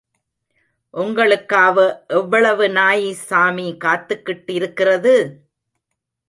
ஒங்களுக்காவ எவ்வளவு நாயி சாமி காத்துக்கிட்டு இருக்கிறது?